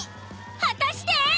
果たして。